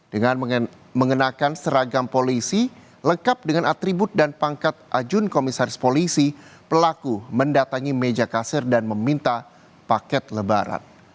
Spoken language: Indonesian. dengan mengenakan seragam polisi lengkap dengan atribut dan pangkat ajun komisaris polisi pelaku mendatangi meja kasir dan meminta paket lebaran